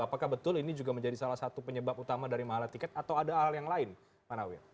apakah betul ini juga menjadi salah satu penyebab utama dari mahalan tiket atau ada hal yang lain pak nawir